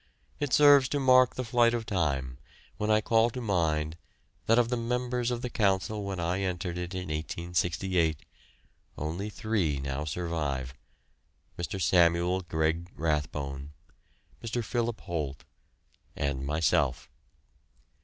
It serves to mark the flight of time when I call to mind that of the members of the Council when I entered it in 1868 only three now survive Mr. Samuel Greg Rathbone, Mr. Philip Holt, and myself.